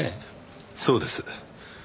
そうです。